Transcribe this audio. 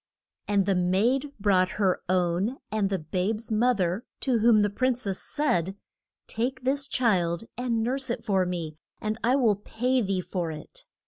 And the maid brought her own and the babe's moth er, to whom the prin cess said, Take this child and nurse it for me, and I will pay thee for it.